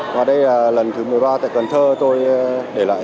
và đây là lần thứ một mươi ba tại cần thơ tôi để lại